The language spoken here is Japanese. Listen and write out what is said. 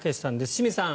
清水さん